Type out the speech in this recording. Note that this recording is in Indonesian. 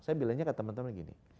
saya bilangnya ke temen temen gini